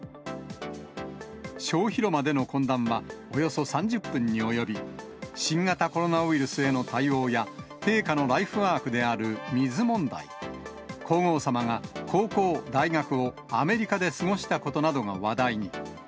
小広間での懇談は、およそ３０分に及び、新型コロナウイルスへの対応や、陛下のライフワークである水問題、皇后さまが高校、大学をアメリカで過ごしたことなどが話題に。